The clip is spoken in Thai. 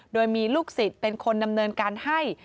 โดยมีลูกศิษย์เป็นคนดำเนินการให้